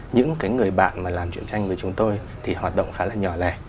những cái người bạn mà làm truyền tranh với chúng tôi thì hoạt động khá là nhỏ lẻ